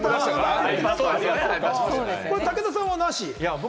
武田さんは、なし？